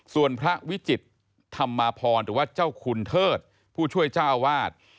ส่วนพระวิจิตรธรรมพรหรือว่าเจ้าคุณเทิดผู้ช่วยเจ้าวาด